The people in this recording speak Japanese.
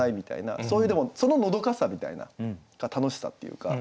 そういうでもそののどかさみたいな楽しさっていうか。